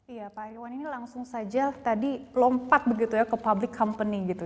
iya pak irwan ini langsung saja tadi lompat begitu ya ke public company gitu